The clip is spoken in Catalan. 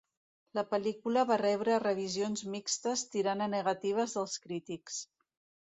La pel·lícula va rebre revisions mixtes, tirant a negatives dels crítics.